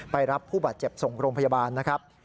รับผู้บาดเจ็บส่งโรงพยาบาลนะครับ